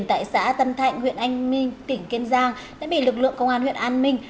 tại xã tân thạnh huyện anh minh tỉnh kiên giang đã bị lực lượng công an huyện an minh